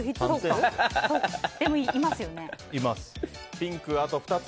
ピンク、あと２つ。